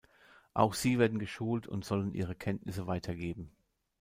Auch sie werden geschult und sollen ihre Kenntnisse weitergeben.